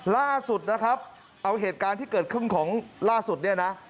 ล่าสุดนะครับเอาเหตุการณ์ที่เกิดขึ้นของล่าสุดเนี่ยนะ